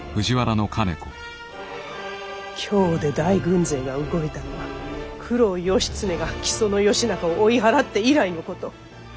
京で大軍勢が動いたのは九郎義経が木曽義仲を追い払って以来のこと。